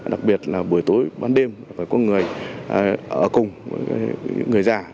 đặc biệt là buổi tối ban đêm phải có người ở cùng với những người già